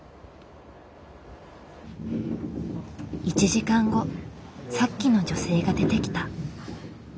１時間後さっきの女性が出てきた。